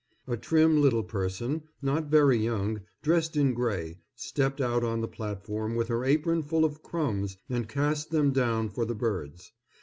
A trim little person, not very young, dressed in gray, stepped out on the platform with her apron full of crumbs and cast them down for the birds.